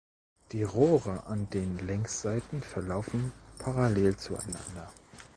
Die Rohre an den Längsseiten verlaufen parallel zueinander.